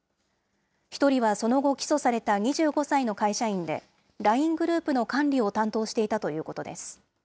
１人はその後起訴された２５歳の会社員で、ＬＩＮＥグループの管理を担当していたということです。